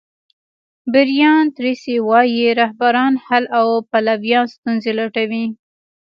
برایان تریسي وایي رهبران حل او پلویان ستونزې لټوي.